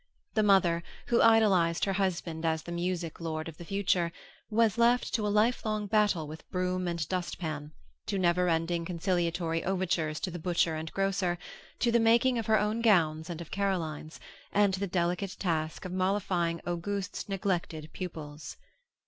The mother, who idolized her husband as the music lord of the future, was left to a lifelong battle with broom and dustpan, to neverending conciliatory overtures to the butcher and grocer, to the making of her own gowns and of Caroline's, and to the delicate task of mollifying Auguste's neglected pupils.